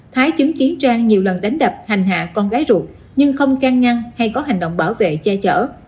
thái chứng kiến trang nhiều lần đánh đập hành hạ con gái ruột nhưng không can ngăn hay có hành động bảo vệ che chở